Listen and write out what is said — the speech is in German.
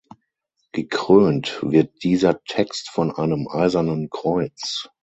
Gekrönt wird dieser Text von einem Eisernen Kreuz.